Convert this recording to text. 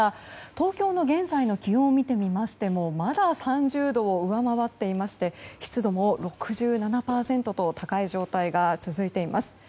東京の現在の気温を見てみましてもまだ３０度を上回っていまして湿度も６７％と高い状態が続いています。